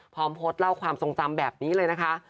พร้อมโพสต์เล่าความทรงจำแบบนี้เลยนะคะ